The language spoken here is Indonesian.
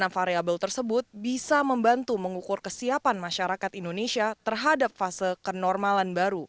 enam variable tersebut bisa membantu mengukur kesiapan masyarakat indonesia terhadap fase kenormalan baru